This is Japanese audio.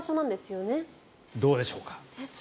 どうでしょうか。